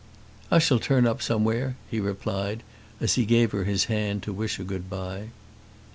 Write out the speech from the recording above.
"I shall turn up somewhere," he replied as he gave her his hand to wish her good bye.